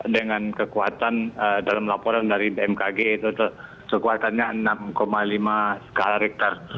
dengan kekuatan dalam laporan dari bmkg itu kekuatannya enam lima skala richter